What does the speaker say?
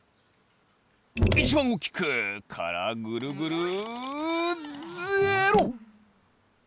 いちばんおおきく！からぐるぐるゼロ！